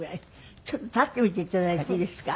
ちょっと立ってみて頂いていいですか？